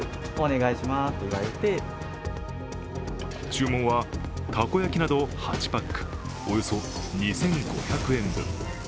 注文は、たこ焼きなど８パック、およそ２５００円分。